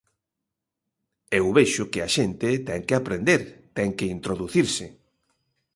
Eu vexo que a xente ten que aprender, ten que introducirse.